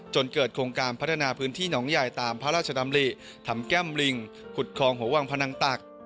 จนเกิดโครงการพัฒนาพื้นที่หนองใหญ่ตามพระราชดำริทำแก้มลิงขุดคลองหัววังพนังตัก